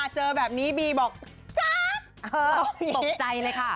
เจอแบบนี้บีบอกจาง